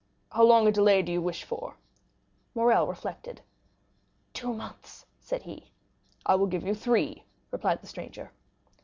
"How long a delay do you wish for?" Morrel reflected. "Two months," said he. "I will give you three," replied the stranger.